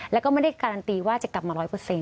แล้วก็ไม่ได้การันตีว่าจะกลับมา๑๐๐